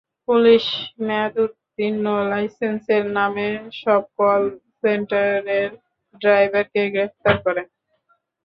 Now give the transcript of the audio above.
Police মেয়াদোত্তীর্ণ লাইসেন্সের নামে সব কল সেন্টারের ড্রাইভারকে গ্রেফতার করে।